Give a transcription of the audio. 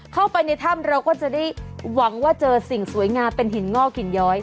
เข้าไปในถ้ำเราก็จะได้หวังว่าเจอสิ่งสวยงามเป็นหินงอกหินย้อย